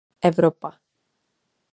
Evropa.